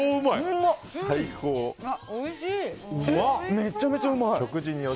めちゃめちゃうまい！